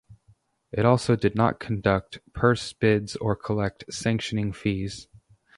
It also did not conduct purse bids or collect sanctioning fees.